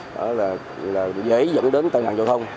đó là dễ dẫn đến tai nạn giao thông